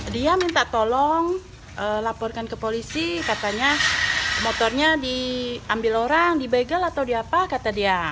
dia minta tolong laporkan ke polisi katanya motornya diambil orang di begel atau diapa kata dia